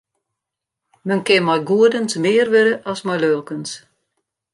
Men kin mei goedens mear wurde as mei lulkens.